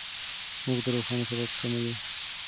موږ د روښانه سبا په تمه یو.